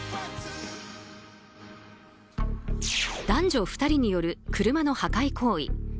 男女２人による車の破壊行為。